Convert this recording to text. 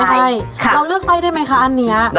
ใช่เราเลือกไส้ได้ไหมคะอันนี้